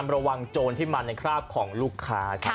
ระวังโจรที่มาในคราบของลูกค้าครับ